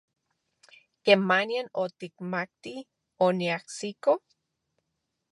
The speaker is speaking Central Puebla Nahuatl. ¿Kemanian otikmatki oniajsiko?